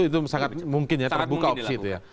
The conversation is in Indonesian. itu sangat mungkin ya terbuka opsi itu ya